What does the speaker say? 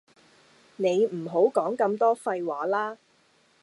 你唔好講咁多廢話啦